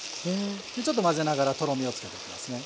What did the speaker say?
でちょっと混ぜながらとろみをつけていきますね。